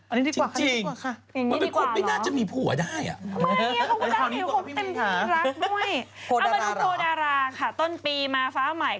เอามาดูโปรดาราค่ะต้นปีมาฟ้าใหม่